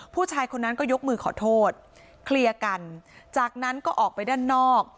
ผู้ชายคนนั้นก็ยกมือขอโทษเคลียร์กันจากนั้นก็ออกไปด้านนอก